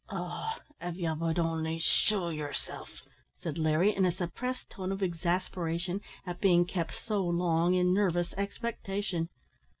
"Oh! av ye would only shew yerself," said Larry, in a suppressed tone of exasperation at being kept so long in nervous expectation.